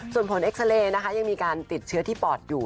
ส่วนผลเอ็กซาเรย์นะคะยังมีการติดเชื้อที่ปอดอยู่